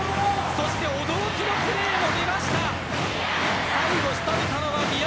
そして驚きのプレーも出ました。